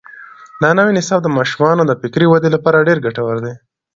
دا نوی نصاب د ماشومانو د فکري ودې لپاره ډېر ګټور دی.